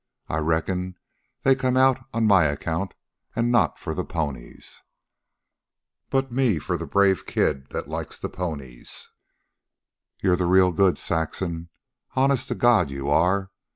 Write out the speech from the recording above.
I reckon they come out on my account an' not for the ponies. But me for the brave kid that likes the ponies. You're the real goods, Saxon, honest to God you are.